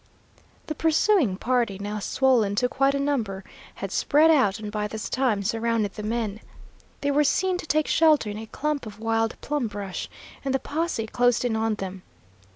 The pursuing party, now swollen to quite a number, had spread out and by this time surrounded the men. They were seen to take shelter in a clump of wild plum brush, and the posse closed in on them.